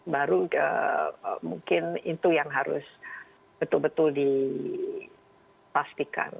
baru mungkin itu yang harus betul betul dipastikan